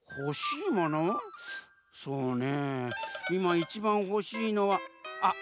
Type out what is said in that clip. そうねいまいちばんほしいのはあっ